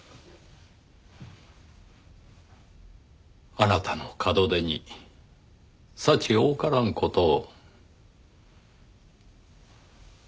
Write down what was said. あなたの門出に幸多からん事を。